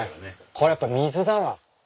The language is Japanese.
これやっぱ水だわ。